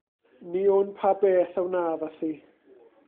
Ni wn pa beth a wnaf â thi.